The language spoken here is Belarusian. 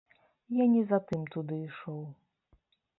Я не за тым туды ішоў.